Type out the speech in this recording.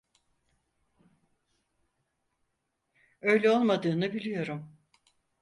Öyle olmadığını biliyorum.